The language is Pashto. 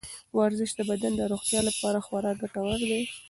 ورزش د بدن د روغتیا لپاره خورا ګټور دی.